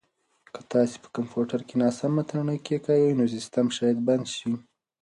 که تاسي په کمپیوټر کې ناسم تڼۍ کېکاږئ نو سیسټم شاید بند شي.